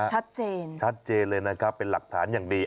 ชัดเจนชัดเจนเลยนะครับเป็นหลักฐานอย่างดี